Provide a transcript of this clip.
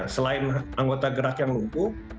selain anggota gerak yang lumpuh